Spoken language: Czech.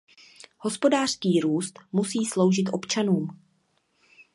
Hospodářský růst musí sloužit občanům.